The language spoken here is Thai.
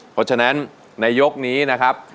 เพราะฉะนั้นในยกนี้นะครับ